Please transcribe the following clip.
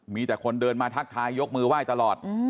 มีแต่คนเดินมาทักทายยกมือไหว้ตลอด